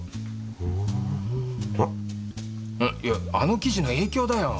いやあの記事の影響だよ。